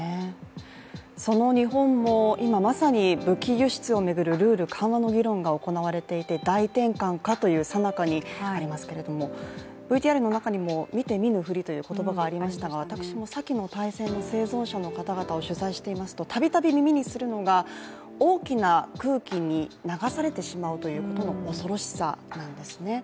その日本も今まさに武器輸出を巡るルールの緩和の議論が行われていて大転換かというさなかにありますけれどもＶＴＲの中にも「見て見ぬふり」という言葉がありましたけれども私も先の大戦の生存者の方を取材していますと度々耳にするのが、大きな空気に流されてしまうということの恐ろしさなんですね。